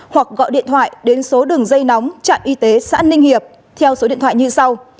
hoặc gọi điện thoại đến số đường dây nóng trạm y tế xã ninh hiệp theo số điện thoại như sau